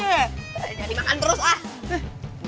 jadi makan terus ah